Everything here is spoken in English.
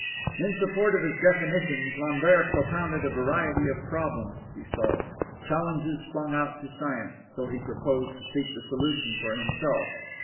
In support of his definitions, Lambert propounded a variety of problems to be solved, challenges flung out to science, though he proposed to seek the solution for himself.